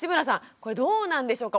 これどうなんでしょうか。